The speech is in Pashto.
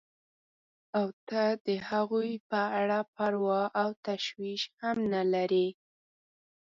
او ته د هغوی په اړه پروا او تشویش هم نه لرې.